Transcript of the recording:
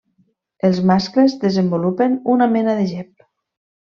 Els mascles desenvolupen una mena de gep.